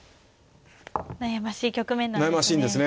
悩ましい局面なんですね。